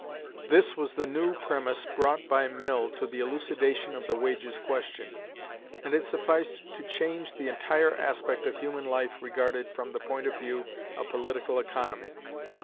This was the new premise brought by Mill to the elucidation of the wages question; and it sufficed to change the entire aspect of human life regarded from the point of view of political economy.